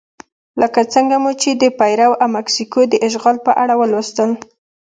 لکه څنګه مو چې د پیرو او مکسیکو د اشغال په اړه ولوستل.